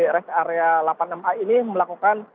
rest area delapan puluh enam a ini melakukan